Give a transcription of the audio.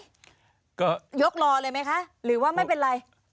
ก็ยกรอเลยไหมคะหรือว่าไม่เป็นไร